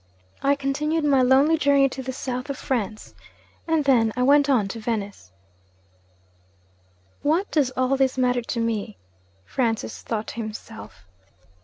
I continued my lonely journey to the South of France. And then I went on to Venice.' 'What does all this matter to me?' Francis thought to himself.